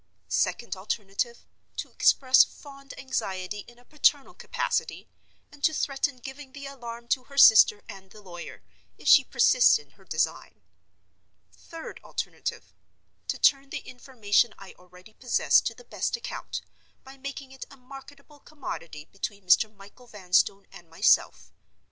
Second alternative: to express fond anxiety in a paternal capacity; and to threaten giving the alarm to her sister and the lawyer, if she persists in her design. Third alternative: to turn the information I already possess to the best account, by making it a marketable commodity between Mr. Michael Vanstone and myself.